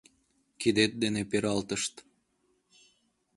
— Кидет дене пералтышт...